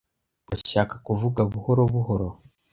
Urashaka kuvuga buhoro buhoro?